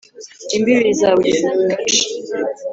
imbibi za buri gace